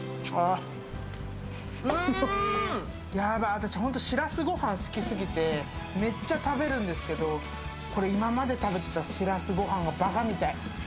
私、しらすご飯、好きすぎてめっちゃ食べるんですけど、今まで食べてた、しらすご飯がバカみたい。